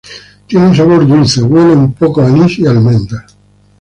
Tiene un sabor dulce, huele un poco a anís y almendras.